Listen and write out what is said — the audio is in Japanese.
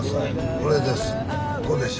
これです。